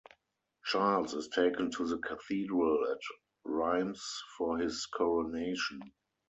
Charles is taken to the Cathedral at Reims for his coronation.